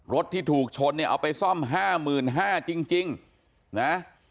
ที่ถูกชนเนี่ยเอาไปซ่อม๕๕๐๐จริงนะ